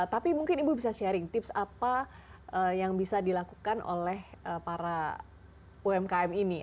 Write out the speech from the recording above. tapi mungkin ibu bisa sharing tips apa yang bisa dilakukan oleh para umkm ini